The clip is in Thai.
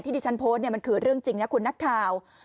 ที่ที่ฉันโพสต์เนี่ยมันคือเรื่องจริงนะคุณนักข่าว